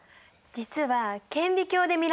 実は顕微鏡で見られるんだよ。